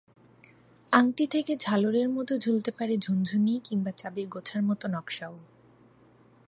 আংটি থেকে ঝালরের মতো ঝুলতে পারে ঝুনঝুনি কিংবা চাবির গোছার মতো নকশাও।